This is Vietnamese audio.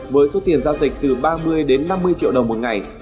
với số tiền giao dịch từ ba mươi đến năm mươi triệu đồng một ngày